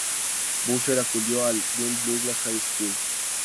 Boozer acudió al Juneau-Douglas High School.